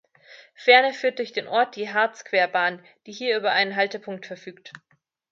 Ferner führt durch den Ort die Harzquerbahn, die hier über einen Haltepunkt verfügt.